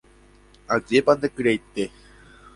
ajépa nde kyraite